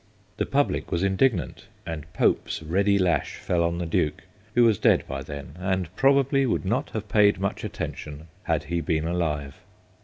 The public was indignant, and Pope's ready lash fell on the Duke, who was dead by then, and probably would not have paid much attention had he been alive.